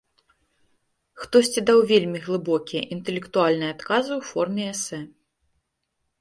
Хтосьці даў вельмі глыбокія, інтэлектуальныя адказы ў форме эсэ.